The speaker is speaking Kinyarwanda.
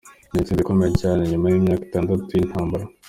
Ni intsinzi ikomeye cane inyuma y'imyaka itandatu y'intambara.